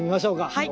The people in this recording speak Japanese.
はい。